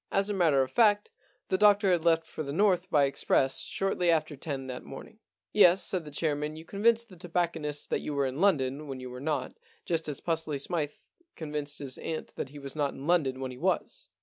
As a matter of fact, the doctor had left for the North by express shortly after ten that morning. * Yes,' said the chairman, * you convinced that tobacconist that you were in London when you were not, just as Pusely Smythe convinced his aunt that he was not in London when he was.